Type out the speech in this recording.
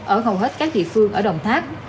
ở hầu hết các địa phương ở đồng tháp